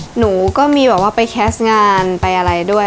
หนูก็มีแบบว่าไปแคสต์งานไปอะไรด้วย